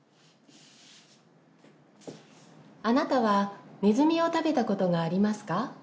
あなたはネズミを食べたことがありますか？